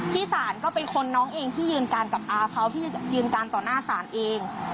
ที่ศาลก็เป็นคนน้องเองที่ยืนการกับอาเขาที่จะยืนการต่อหน้าศาลเอง